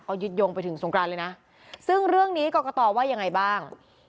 ยึดโยงไปถึงสงกรานเลยนะซึ่งเรื่องนี้กรกตว่ายังไงบ้าง